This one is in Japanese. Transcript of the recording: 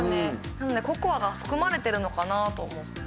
なのでココアが含まれてるのかなと思って。